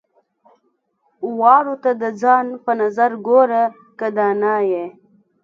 واړو ته د ځان په نظر ګوره که دانا يې.